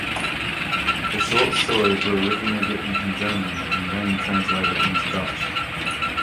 The short stories were originally written in German and then translated into Dutch.